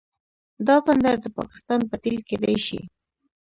دا بندر د پاکستان بدیل کیدی شي.